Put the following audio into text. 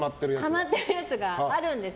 ハマってるやつがあるんです。